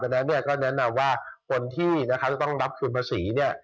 ดังนั้นเนี่ยก็แนะนำว่าคนที่จะต้องรับคืนภาษีเนี่ย